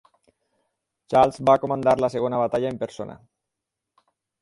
Charles va comandar la segona batalla en persona.